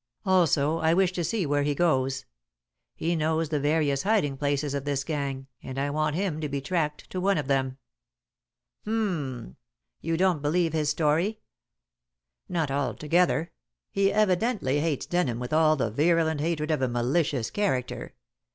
Also I wish to see where he goes. He knows the various hiding places of this gang, and I want him to be tracked to one of them." "H'm! Don't you believe his story?" "Not altogether. He evidently hates Denham with all the virulent hatred of a malicious character.